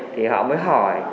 thì họ mới hỏi